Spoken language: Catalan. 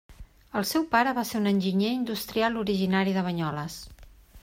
El seu pare va ser un enginyer industrial originari de Banyoles.